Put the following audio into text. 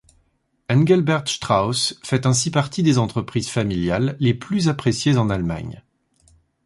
Engelbert Strauss fait ainsi partie des entreprises familiales les plus appréciées en Allemagne.